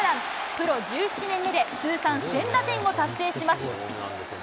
プロ１７年目で通算１０００打点を達成します。